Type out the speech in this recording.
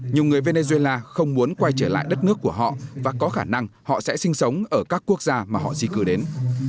nhiều người venezuela không muốn quay trở lại đất nước của họ và có khả năng họ sẽ sinh sống ở các quốc gia mà họ di cư đến